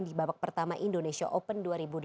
di babak pertama indonesia open dua ribu delapan belas